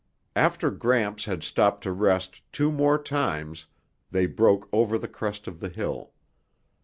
After Gramps had stopped to rest two more times, they broke over the crest of the hill.